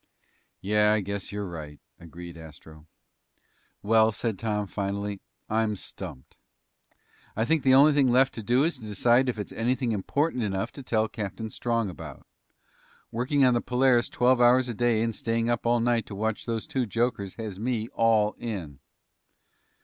"Yeah, I guess you're right," agreed Astro. "Well," said Tom finally, "I'm stumped. I think the only thing left to do is to decide if it's anything important enough to tell Captain Strong about. Working on the Polaris twelve hours a day and staying up all night to watch those two jokers has me all in."